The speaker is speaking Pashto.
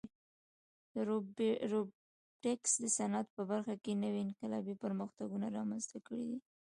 روبوټیکس د صنعت په برخه کې نوې انقلابي پرمختګونه رامنځته کړي دي.